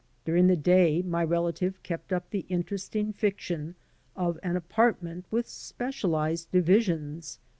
During the day my relative kept up the interesting fiction of an apartment with specialized divisions.